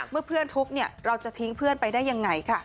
เมื่อเพื่อนทุกข์เราจะทิ้งเพื่อนไปได้ยังไงค่ะ